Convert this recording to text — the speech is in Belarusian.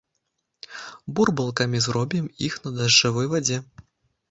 Бурбалкамі зробім іх на дажджавой вадзе.